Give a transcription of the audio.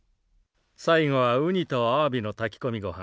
最後はウニとアワビの炊き込みご飯。